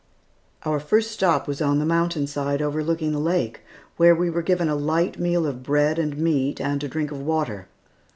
Our first stop was on the mountain side overlooking the lake, where we were given a light meal of bread and meat and a drink of water.